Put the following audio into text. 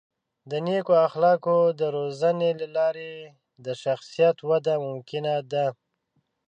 د نیکو اخلاقو د روزنې له لارې د شخصیت وده ممکنه ده.